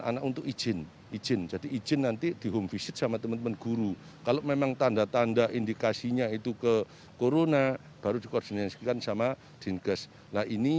anak untuk izin izin jadi izin nanti di home visit sama teman teman guru kalau memang tanda tanda